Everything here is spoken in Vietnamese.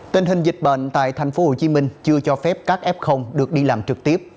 tình hình dịch bệnh tại tp hcm chưa cho phép các f được đi làm trực tiếp